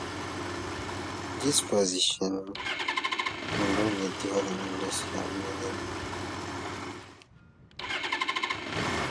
These oppositions involve the difference in lexical meaning.